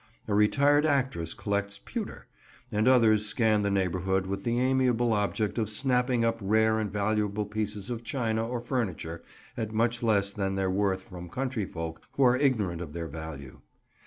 A retired actress collects pewter, and others scan the neighbourhood with the amiable object of snapping up rare and valuable pieces of china or furniture at much less than their worth from country folk who are ignorant of their value.